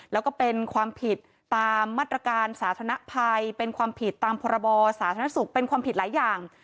แล้วก็เป็นความผิดตามมาตรการสาธารณภัยเป็นความผิดตามพรบสาธารณสุขเป็นความผิดหลายอย่าง